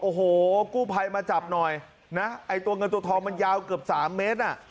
โอ้โหกู้ไพมาจับหน่อยไอ้เงินตัวทองมันยาวเกือบ๓เมตร